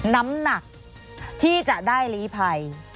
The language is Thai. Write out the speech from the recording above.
น้ำหนักที่จะได้ลีภัย